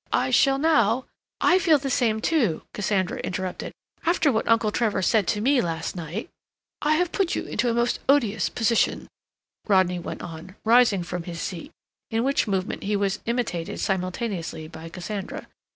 I shall now—" "I feel the same too," Cassandra interrupted. "After what Uncle Trevor said to me last night—" "I have put you into a most odious position," Rodney went on, rising from his seat, in which movement he was imitated simultaneously by Cassandra.